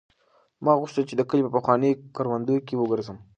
ما غوښتل چې د کلي په پخوانیو کروندو کې وګرځم.